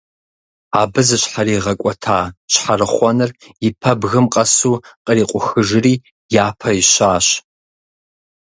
Абы зыщхьэригъэкӀуэта щхьэрыхъуэныр и пэбгым къэсу кърикъухыжри, япэ ищащ.